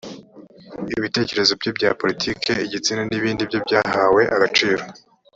ibitekerezo bye bya politiki, igitsina ni bindi byahahwe agaciro.